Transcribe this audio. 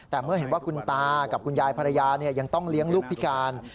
แต่เมื่อเห็นว่าคุณตากับคุณยายภรรยายังต้องเลี้ยงลูกพิการ